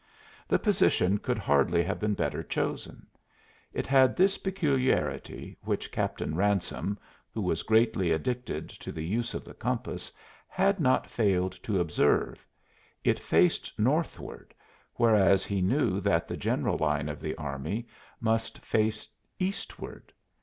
The position could hardly have been better chosen. It had this peculiarity, which Captain Ransome, who was greatly addicted to the use of the compass, had not failed to observe: it faced northward, whereas he knew that the general line of the army must face eastward.